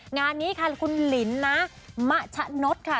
งานนี้ค่ะคุณลินนะมะชะนดค่ะ